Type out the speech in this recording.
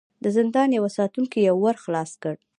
د زندان يوه ساتونکي يو ور خلاص کړ.